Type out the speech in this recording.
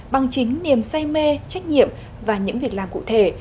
bằng chính niềm say mê trách nhiệm và những việc làm cụ thể